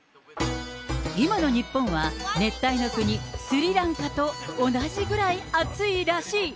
今の日本は、熱帯の国、スリランカと同じぐらい暑いらしい。